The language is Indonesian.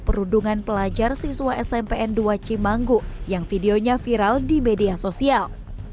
perundungan pelajar siswa smpn dua cimanggu yang videonya viral di media sosial